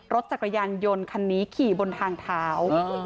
รถจักรยานยนต์คันนี้ขี่บนทางเท้า